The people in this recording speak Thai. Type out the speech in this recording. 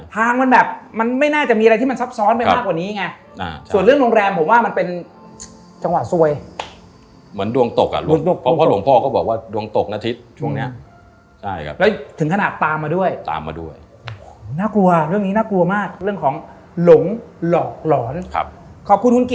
ทางมันแบบมันไม่น่าจะมีอะไรที่มันซับซ้อนมากกว่านี้ไง